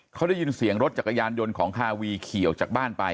เขาได้ยินเสียงรถจักรยานยนต์ของคาวีขี่ออกจากบ้านไป